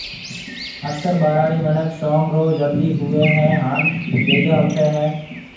اڪثر ٻهراڙي منک شوم رو جلدي ۿوئي هي هان بيگا اوٺي هي